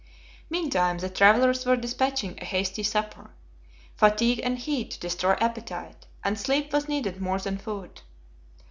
Meantime, the travelers were dispatching a hasty supper. Fatigue and heat destroy appetite, and sleep was needed more than food.